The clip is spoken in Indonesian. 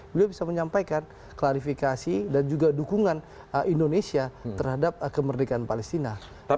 beliau bisa menyampaikan klarifikasi dan juga dukungan indonesia terhadap kemerdekaan palestina